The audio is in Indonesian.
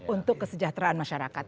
untuk kesejahteraan masyarakat